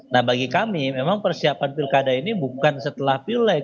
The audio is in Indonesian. nah bagi kami memang persiapan pilkada ini bukan setelah pilek